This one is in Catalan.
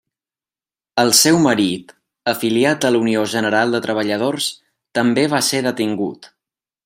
El seu marit, afiliat a la Unió General de Treballadors, també va ser detingut.